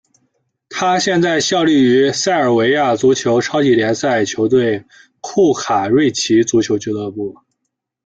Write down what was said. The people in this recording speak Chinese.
他现在效力于塞尔维亚足球超级联赛球队库卡瑞奇足球俱乐部。